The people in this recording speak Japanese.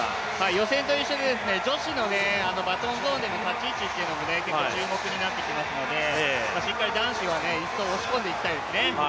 予選と一緒で女子のバトンゾーンの立ち位置が結構注目になってきますので、しっかり男子も１走を押し込んでいきたいですね。